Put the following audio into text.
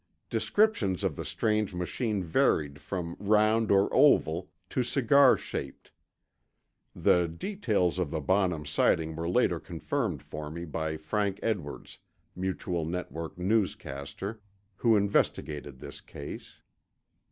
Descriptions of the strange machine varied from round or oval to cigar shaped. (The details of the Bonham sighting were later confirmed for me by Frank Edwards, Mutual network newscaster, who investigated this case.)